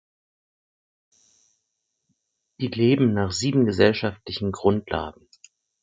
Die leben nach sieben gesellschaftlichen Grundlagen.